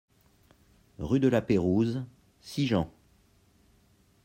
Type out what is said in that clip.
Rue de la Pérouse, Sigean